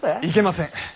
いけません。